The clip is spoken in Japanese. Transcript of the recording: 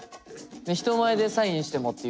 人前でサインしてもっていう。